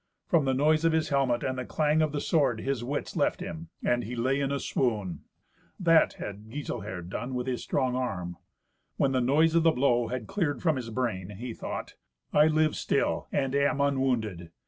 From the noise of his helmet and the clang of the sword his wits left him, and he lay in a swoon. That had Giselher done with his strong arm. When the noise of the blow had cleared from his brain, he thought, "I live still, and am unwounded.